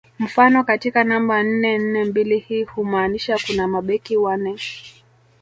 Mfano katika namba nne nne mbili hii humaanisha kuna mabeki wane